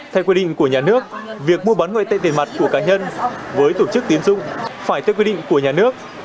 theo quy định của nhà nước việc mua bán ngoại tệ tiền mặt của cá nhân với tổ chức tiến dụng phải theo quy định của nhà nước